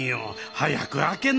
早く開けなさい。